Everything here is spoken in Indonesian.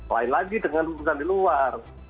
lain lagi dengan putusan di luar